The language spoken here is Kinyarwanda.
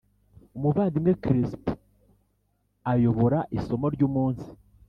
Umuvandimwe Crisp ayobora isomo ry’ umunsi